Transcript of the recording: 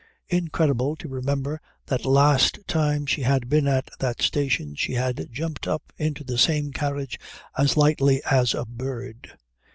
Incredible to remember that last time she had been at that station she had jumped up into the same carriage as lightly as a bird.